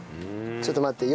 ちょっと待って。